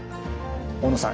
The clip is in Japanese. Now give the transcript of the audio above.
大野さん